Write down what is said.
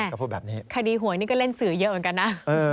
แม่คดีหวยนี่ก็เล่นสื่อเยอะเหมือนกันนะ